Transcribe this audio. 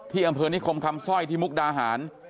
ที่อำเภอนี้คมคำซ่อยที่มุกดาหาร